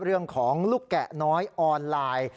เรื่องของลูกแกะน้อยออนไลน์